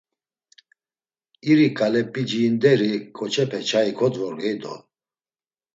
İri ǩale p̌iciinderi ǩoçepe çayi kodvorgey do!